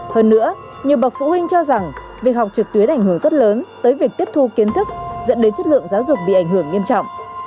hơn nữa nhiều bậc phụ huynh cho rằng việc học trực tuyến ảnh hưởng rất lớn tới việc tiếp thu kiến thức dẫn đến chất lượng giáo dục bị ảnh hưởng nghiêm trọng